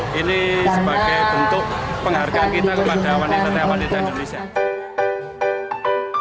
dan kita harus bangga untuk wanita wanita indonesia